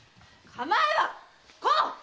構えはこう！